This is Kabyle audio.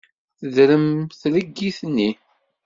Tedrem tleggit-nni.